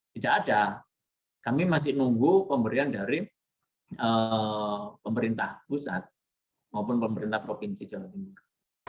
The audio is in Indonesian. tidak ada kami masih nunggu pemberian dari pemerintah pusat maupun pemerintah provinsi jawa timur